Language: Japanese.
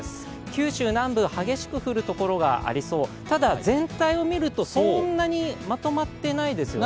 九州南部、激しく降るところがありそう、ただ全体を見るとそんなにまとまっていないですよね。